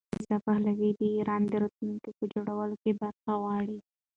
رضا پهلوي د ایران د راتلونکي په جوړولو کې برخه غواړي.